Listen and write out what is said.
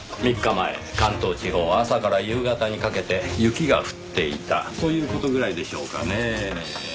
３日前関東地方は朝から夕方にかけて雪が降っていたという事ぐらいでしょうかねぇ。